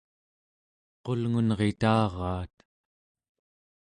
qulngunritaraat